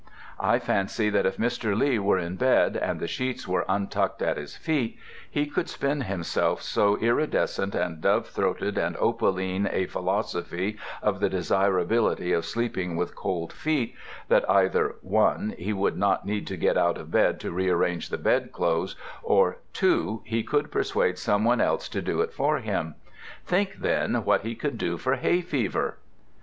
I fancy that if Mr. Lee were in bed, and the sheets were untucked at his feet, he could spin himself so iridescent and dove throated and opaline a philosophy of the desirability of sleeping with cold feet, that either (1) he would not need to get out of bed to rearrange the bedclothes, or (2) he could persuade someone else to do it for him. Think, then, what he could do for hay fever!